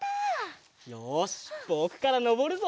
よしぼくからのぼるぞ！